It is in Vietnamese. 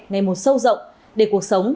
ngày một sâu rộng để cuộc sống